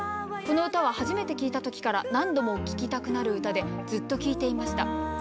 「この歌は初めて聞いた時から何度も聴きたくなる歌でずっと聞いていました。